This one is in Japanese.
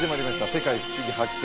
「世界ふしぎ発見！」